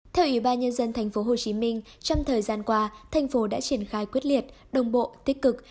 theo ubnd tp hcm trong thời gian qua thành phố đã triển khai quyết liệt đồng bộ tích cực